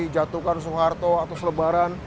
jatuhkan soeharto atau selebaran